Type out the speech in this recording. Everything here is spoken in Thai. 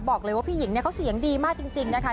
บอกเลยว่าพี่หญิงเสียงดีมากจริงนะคะ